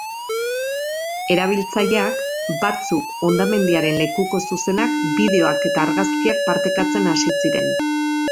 Erabiltzaileak, batzuk hondamendiaren lekuko zuzenak, bideoak eta argazkiak partekatzen hasi ziren.